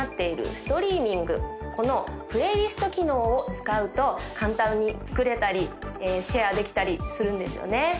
ストリーミングこのプレイリスト機能を使うと簡単に作れたりシェアできたりするんですよね